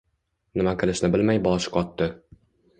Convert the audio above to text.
Nima qilishini bilmay boshi qotdi